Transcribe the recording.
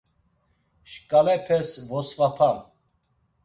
Şǩalepes vosvapam.